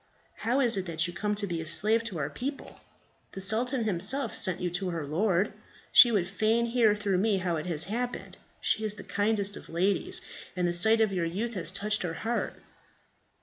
How is it that you come to be a slave to our people? The sultan himself sent you to her lord. She would fain hear through me how it has happened. She is the kindest of ladies, and the sight of your youth has touched her heart."